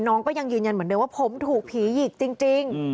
น้องก็ยังยืนยันเหมือนเดิมว่าผมถูกผีหยิกจริง